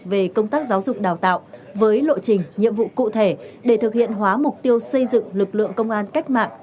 về công tác giáo dục đào tạo với lộ trình nhiệm vụ cụ thể để thực hiện hóa mục tiêu xây dựng lực lượng công an cách mạng